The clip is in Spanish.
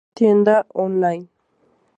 Tienda Online